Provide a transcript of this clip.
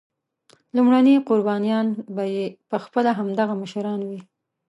لومړني قربانیان به یې پخپله همدغه مشران وي.